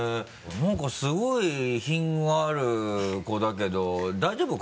何かすごい品がある子だけど大丈夫？